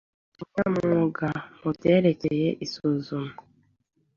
umunyamwuga mu byerekeye isuzuma